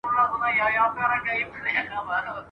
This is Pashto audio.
خوند مي پردی دی د غزلونو !.